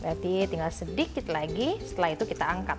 berarti tinggal sedikit lagi setelah itu kita angkat